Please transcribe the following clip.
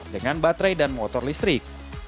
dengan baterai dan motor listrik